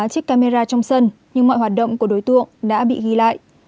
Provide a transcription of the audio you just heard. chiếc camera trong sân nhưng mọi hoạt động của đối tượng đã bị ghi lại